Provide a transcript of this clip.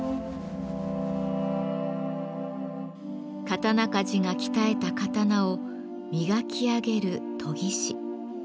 刀鍛冶が鍛えた刀を磨き上げる研ぎ師。